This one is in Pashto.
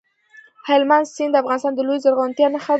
هلمند سیند د افغانستان د لویې زرغونتیا نښه ده.